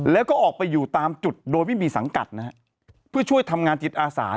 แล้วก็ออกไปอยู่ตามจุดโดยไม่มีสังกัดนะฮะเพื่อช่วยทำงานจิตอาสา